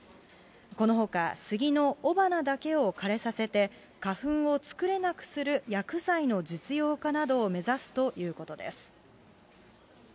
このほか、スギの雄花だけを枯れさせて、花粉を作れなくする薬剤の実用化などを目指すということです。